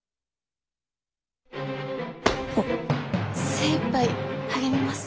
精いっぱい励みます。